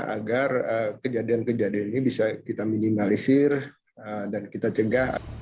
agar kejadian kejadian ini bisa kita minimalisir dan kita cegah